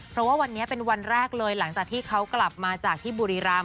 เพราะว่าวันนี้เป็นวันแรกเลยหลังจากที่เขากลับมาจากที่บุรีรำ